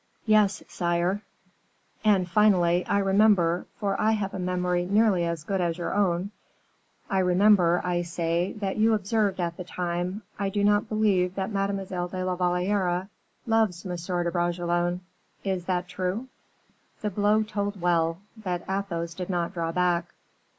"Yes, sire." "And finally, I remember, for I have a memory nearly as good as your own; I remember, I say, that you observed at the time: 'I do not believe that Mademoiselle de la Valliere loves M. de Bragelonne.' Is that true?" The blow told well, but Athos did not draw back.